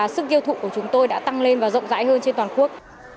sức tiêu thụ của chúng tôi đã tăng lên và rộng rãi hơn trên toàn quốc